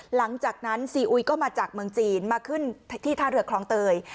หลังจากนั้นซีอุยก็มาจากเมืองจีนมาขึ้นที่ท่าเรือคลองเตย